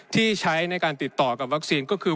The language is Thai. ที่ใช้ในการติดต่อกับวัคซีนก็คือ